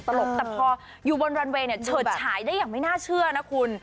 กแต่พออยู่บนรันเวย์เนี่ยเฉิดฉายได้อย่างไม่น่าเชื่อนะคุณ